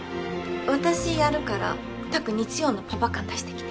私やるからたっくん日曜のパパ感出してきて。